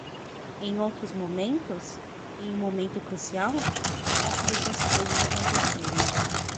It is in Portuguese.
Em outros momentos? em um momento crucial? Facilito as coisas acontecerem.